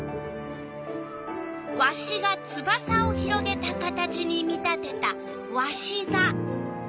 わしがつばさを広げた形に見立てたわしざ。